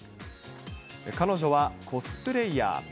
彼女はコスプレイヤー。